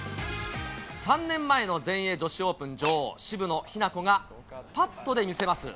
３年前の全英女子オープン女王、渋野日向子がパットで見せます。